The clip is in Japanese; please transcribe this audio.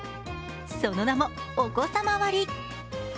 その名も、お子様割。